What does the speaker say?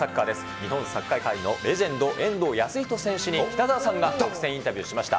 日本サッカー界のレジェンド、遠藤保仁選手に北澤さんが独占インタビューしました。